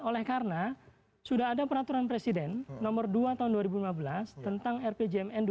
oleh karena sudah ada peraturan presiden nomor dua tahun dua ribu lima belas tentang rpjmn dua ribu lima belas dua ribu sembilan belas